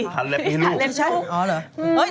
ทาเล็บนี่ลูกใช่